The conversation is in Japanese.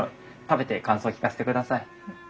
食べて感想聞かせてください。